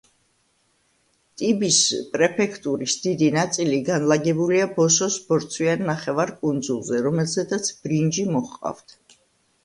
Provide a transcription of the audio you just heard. ტიბის პრეფექტურის დიდი ნაწილი განლაგებულია ბოსოს ბორცვიან ნახევარკუნძულზე, რომელზედაც ბრინჯი მოჰყავთ.